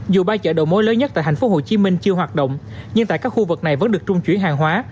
dù ba chợ đầu mối lớn nhất tại tp hcm chưa hoạt động nhưng tại các khu vực này vẫn được trung chuyển hàng hóa